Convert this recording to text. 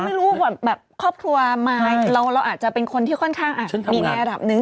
ไม่รู้ว่าแบบครอบครัวมายเราอาจจะเป็นคนที่ค่อนข้างมีแรงอัดับหนึ่ง